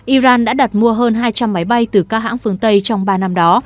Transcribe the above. iran đã đặt mua hơn hai trăm linh máy bay từ các hãng phương tây trong ba năm đó